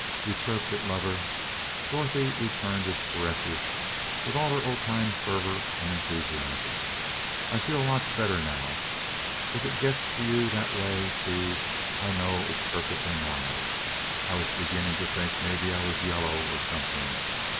"You chirped it, lover!" Dorothy returned his caresses with all her old time fervor and enthusiasm. "I feel lots better now. If it gets to you that way, too, I know it's perfectly normal I was beginning to think maybe I was yellow or something